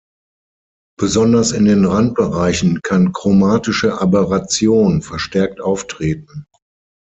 Besonders in den Randbereichen kann Chromatische Aberration verstärkt auftreten.